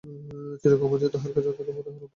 চিরকৌমার্য তাহার কাছে অত্যন্ত মনোহর বলিয়া বোধ হইত না।